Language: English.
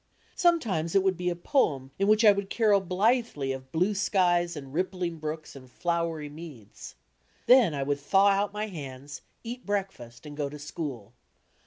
Sometimes it would be a poem in which I would carol blithely of blue skies and rippling brooks and flowery meads! Then I would thaw out my hands, eat breakfast and go to school.